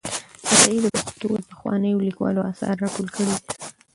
عطایي د پښتو د پخوانیو لیکوالو آثار راټول کړي دي.